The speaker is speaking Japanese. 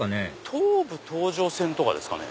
東武東上線とかですかね。